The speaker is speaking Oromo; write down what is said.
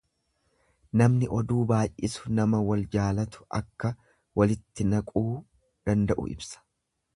Kan oduu baay'isu nama wal jaalatu akka walitti naquu danda'u ibsa.